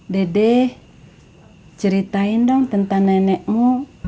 dede ceritain dong tentang nenekmu